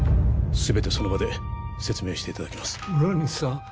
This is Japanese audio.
全てその場で説明していただきます村西さん